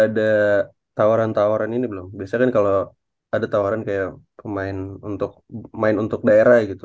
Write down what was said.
ada tawaran tawaran ini belum biasanya kan kalau ada tawaran kayak pemain untuk main untuk daerah gitu